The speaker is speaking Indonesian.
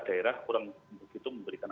daerah kurang begitu memberikan